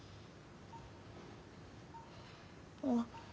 あっ。